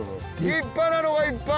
立派なのがいっぱい。